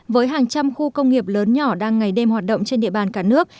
với hàng trăm khu công nghiệp lớn nhỏ đang ngày đêm hoạt động trên địa bàn cả nước